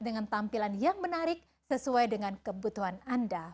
dengan tampilan yang menarik sesuai dengan kebutuhan anda